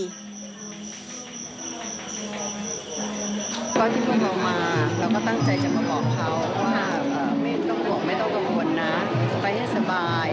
ตอนที่มากก็ตั้งใจจะมาบอกเขาว่าทุกคนไม่ต้องกังวลไปให้สบาย